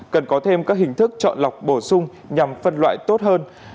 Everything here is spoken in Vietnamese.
cần có thêm các hình thức chọn lọc bổ sung nhằm phân loại tốt hơn